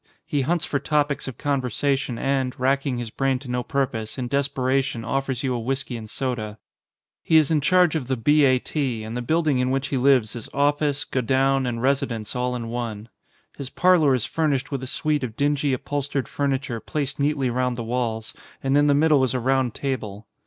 He hunts for topics of conversation and, racking his brain to no purpose, in desperation offers you a whisky and soda. He is in charge of the B. A. T., and the build ing in which he lives is office, godown, and residence all in one. His parlour is furnished with a suite of dingy upholstered furniture placed neatly round the walls, and in the middle is a round table.